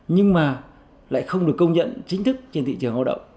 nhưng mà lại không được công nhận chính thức trên thị trường lao động